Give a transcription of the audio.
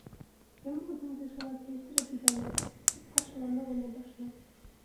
- Кем үҙеңде шулай килештереп биҙәне? - тип ҡаршыланы уны Башлыҡ.